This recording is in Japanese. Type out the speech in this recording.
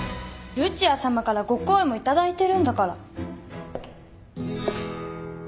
ルチアさまからご厚意も頂いてるんだから。